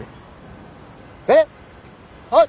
えっ！はっ？